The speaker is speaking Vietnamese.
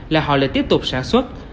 là họ lại tiếp tục sản xuất